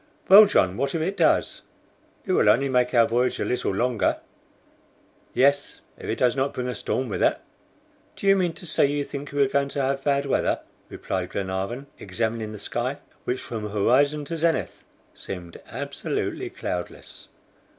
"Well, John, what if it does? It will only make our voyage a little longer." "Yes, if it does not bring a storm with it." "Do you mean to say you think we are going to have bad weather?" replied Glenarvan, examining the sky, which from horizon to zenith seemed absolutely cloudless.